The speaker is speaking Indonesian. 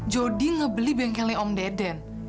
jody ngebeli bengkelnya om deden